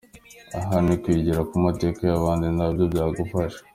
Aha no kwigira ku mateka y’abandi nabyo byagufasha!.